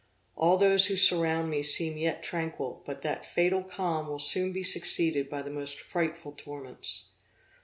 All those who surround me seem yet tranquil, but that fatal calm will soon be succeeded by the most frightful torments.